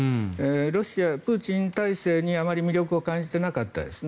ロシア、プーチン体制にあまり魅力を感じてなかったですね。